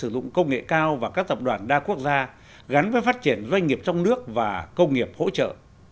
sử dụng công nghệ cao và các tập đoàn đa quốc gia gắn với phát triển doanh nghiệp trong nước và công nghiệp hỗ trợ